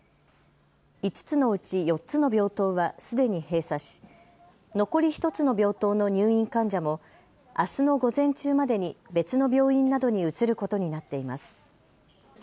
５つのうち４つの病棟はすでに閉鎖し残り１つの病棟の入院患者もあすの午前中までに別の病院などに移ることになっています。